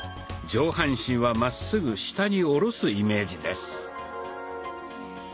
上半身はまっすぐ下に下ろすイメージです。